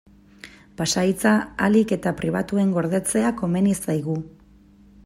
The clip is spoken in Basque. Pasahitza ahalik eta pribatuen gordetzea komeni zaigu.